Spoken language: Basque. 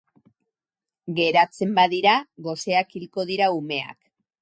Geratzen badira goseak hilko dira umeak.